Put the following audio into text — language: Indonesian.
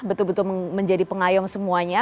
betul betul menjadi pengayom semuanya